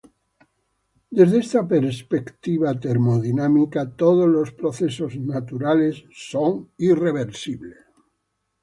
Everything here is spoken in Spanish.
Desde esta perspectiva termodinámica, todos los procesos naturales son irreversibles.